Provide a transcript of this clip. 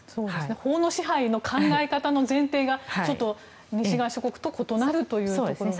法の支配の考え方の前提がちょっと西側諸国と異なるということでしょうか。